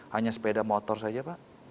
hanya sepeda motor saja pak